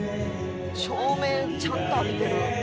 照明ちゃんと浴びてる。